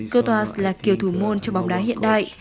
kurs là kiểu thủ môn cho bóng đá hiện đại